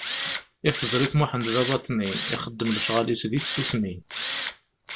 Yak teẓriḍ Muḥend d abaḍni, ixeddem lecɣal-is di tsusmi!